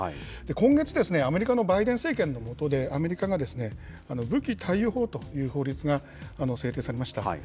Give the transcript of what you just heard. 今月、アメリカのバイデン政権の下で、アメリカが武器貸与法という法律が制定されました。